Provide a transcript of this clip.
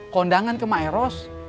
kondangan ke maeros